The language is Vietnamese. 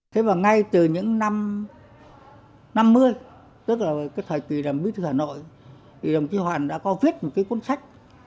thế và ngay từ những năm mươi tức là cái thời kỳ làm bí thư hà nội thì đồng chí hoàn đã có viết một cái cuốn sách